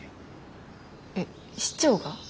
えっ市長が？